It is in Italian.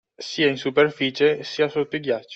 Sia in superficie sia sotto i ghiacci.